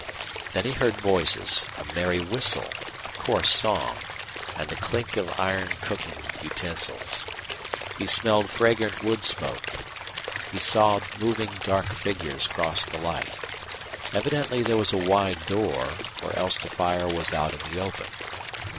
Then he heard voices, a merry whistle, a coarse song, and the clink of iron cooking utensils. He smelled fragrant wood smoke. He saw moving dark figures cross the light. Evidently there was a wide door, or else the fire was out in the open.